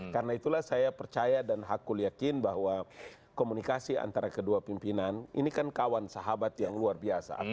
karena itulah saya percaya dan hakul yakin bahwa komunikasi antara kedua pimpinan ini kan kawan sahabat yang luar biasa akrabnya